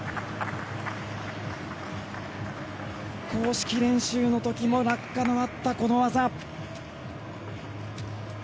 公式練習の時も落下のあったこの技。